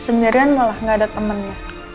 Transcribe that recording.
sebenernya malah gak ada temennya